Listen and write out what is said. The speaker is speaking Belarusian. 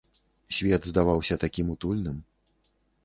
Свет здаваўся такім утульным.